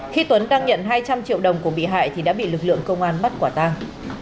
khi tuấn đang nhận hai trăm linh triệu đồng của bị hại thì đã bị lực lượng công an bắt quả tang